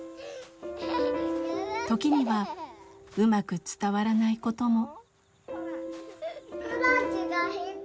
時にはうまく伝わらないことも。